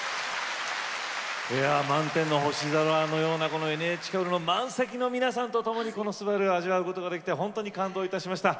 満天の星空のようなこのＮＨＫホールの満席の皆さんとともに「昴−すばる−」を味わうことができて感動しました。